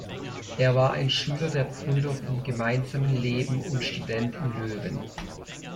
Er war ein Schüler der Brüder vom gemeinsamen Leben und Student in Löwen.